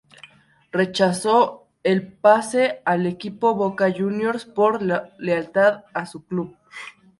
Rechazó el pase al equipo Boca Juniors por lealtad a su club.